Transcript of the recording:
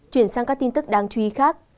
chuyển sang các tin tức đáng chú ý khác